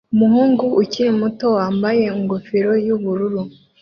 Umuhungu ukiri muto wambaye ingofero yubururu